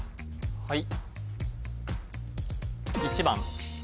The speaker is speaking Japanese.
はい